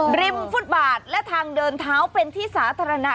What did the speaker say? ริมฟุตบาทและทางเดินเท้าเป็นที่สาธารณะ